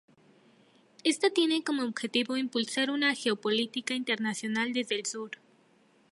Esta tiene como objetivo impulsar una geopolítica internacional desde el Sur.